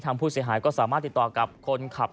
ผู้เสียหายก็สามารถติดต่อกับคนขับ